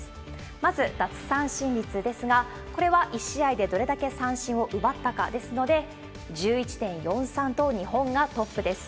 まず奪三振率ですが、これは１試合でどれだけ三振を奪ったかですので、１１．４３と、日本がトップです。